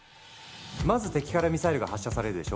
まず敵からミサイルが発射されるでしょ。